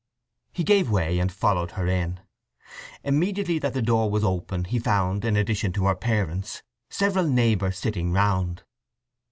He gave way, and followed her in. Immediately that the door was opened he found, in addition to her parents, several neighbours sitting round.